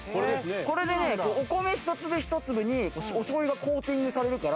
これでねお米一粒一粒にお醤油がコーティングされるから。